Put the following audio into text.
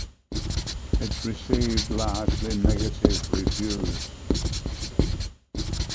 It received largely negative reviews.